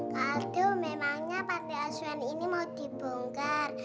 kak aldo memangnya pantai aswan ini mau dibongkar